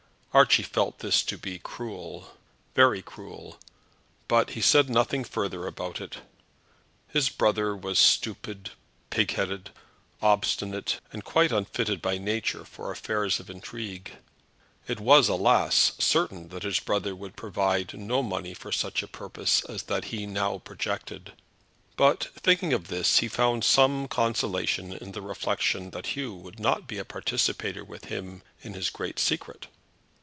Archie felt this to be cruel, very cruel, but he said nothing further about it. His brother was stupid, pigheaded, obstinate, and quite unfitted by nature for affairs of intrigue. It was, alas, certain that his brother would provide no money for such a purpose as that he now projected; but, thinking of this, he found some consolation in the reflection that Hugh would not be a participator with him in his great secret.